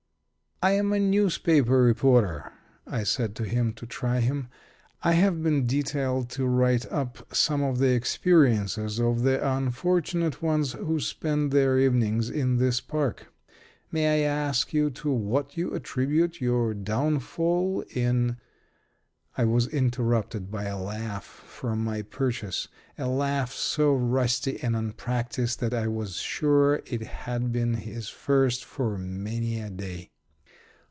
"I am a newspaper reporter," I said to him, to try him. "I have been detailed to write up some of the experiences of the unfortunate ones who spend their evenings in this park. May I ask you to what you attribute your downfall in " I was interrupted by a laugh from my purchase a laugh so rusty and unpractised that I was sure it had been his first for many a day.